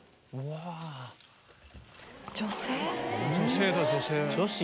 女性？